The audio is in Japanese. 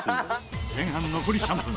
前半残り３分。